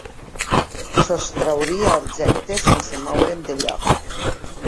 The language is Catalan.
Sostrauria objectes sense moure'm de lloc.